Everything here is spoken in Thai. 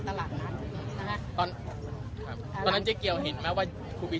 สำหรับสามเจ็ดสองหกเจ๊เกียวจุดยอนได้เลยนะคะ